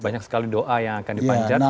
banyak sekali doa yang akan dipanjat